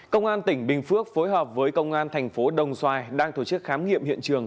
công an tỉnh bình phước phối hợp với công an thành phố đồng xoài đang tổ chức khám nghiệm hiện trường